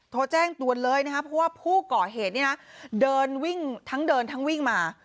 โทรแจ้งเตือนเลยนะครับเพราะว่าผู้ก่อเหตุเนี่ยนะเดินวิ่งทั้งเดินทั้งวิ่งมา